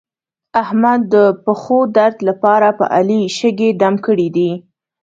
احمد د پښو درد لپاره په علي شګې دم کړې دي.